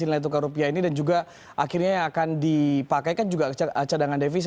nilai tukar rupiah ini dan juga akhirnya yang akan dipakai kan juga cadangan devisa